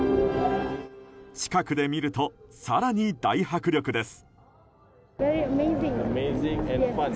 近くで見ると更に大迫力です。